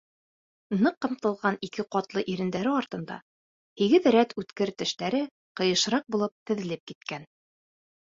Ныҡ ҡымтылған ике ҡатлы ирендәре артында һигеҙ рәт үткер тештәре ҡыйышыраҡ булып теҙелеп киткән.